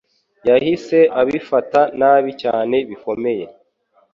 yahise abifata nabi cyane bikomeye